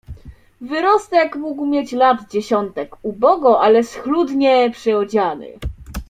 "Wyrostek mógł mieć lat dziesiątek, ubogo ale schludnie przyodziany."